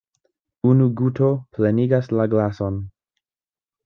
Unu guto plenigas la glason.